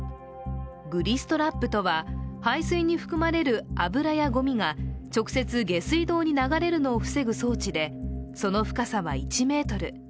グリストラップとは、排水に含まれる油やごみが直接、下水道に流れるのを防ぐ装置でその深さは１ｍ。